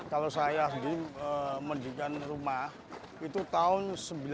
kalau saya sendiri mendirikan rumah itu tahun seribu sembilan ratus sembilan puluh